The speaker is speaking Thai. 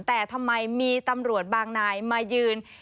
แต่ทำไมมีตำรวจบางนายมายืน